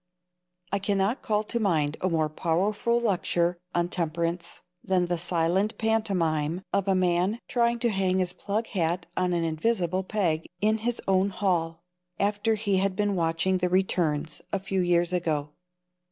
I cannot call to mind a more powerful lecture on temperance, than the silent pantomime of a man trying to hang his plug hat on an invisible peg in his own hall, after he had been watching the returns, a few years ago.